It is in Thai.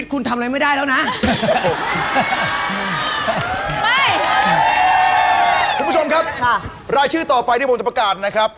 คุณจ๊ะจ๋าได้ถาดสาร